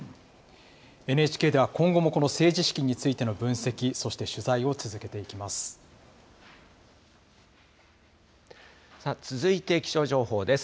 ＮＨＫでは今後もこの政治資金についての分析、そして取材をさあ、続いて気象情報です。